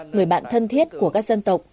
người bạn thân thiết của các dân tộc